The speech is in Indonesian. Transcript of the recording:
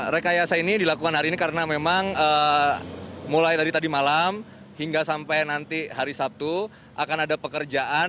rekayasa ini dilakukan hari ini karena memang mulai tadi malam hingga sampai nanti hari sabtu akan ada pekerjaan